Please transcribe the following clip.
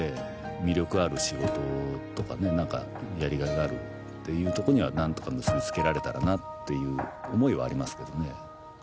魅力ある仕事とかねなんかやりがいがあるっていうとこにはなんとか結びつけられたらなっていう思いはありますけどね。